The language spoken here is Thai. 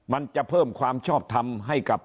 มันจะเพิ่มความชอบทำให้กับ